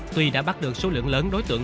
tuy đã bắt được số lượng lớn đối tượng